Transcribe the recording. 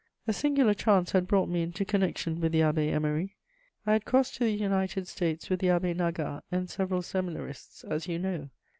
A singular chance had brought me into connection with the Abbé Émery: I had crossed to the United States with the Abbé Nagat and several seminarists, as you know.